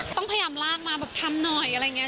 ต้องพยายามลากมาแบบทำหน่อยอะไรอย่างนี้